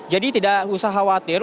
jadi tidak usah khawatir